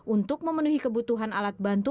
untuk memenuhi kebutuhan alat bantu